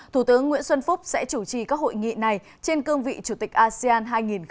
thủ tướng nguyễn xuân phúc sẽ chủ trì các hội nghị này trên cương vị chủ tịch asean hai nghìn hai mươi